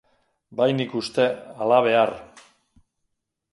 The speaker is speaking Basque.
Bai nik uste, ala bear.